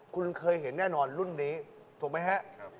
คุณเคยเห็นแน่นอนรุ่นนี้ถูกไหมครับ